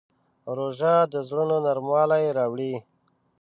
روژه د زړونو نرموالی راوړي.